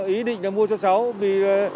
ý định là mua cho cháu vì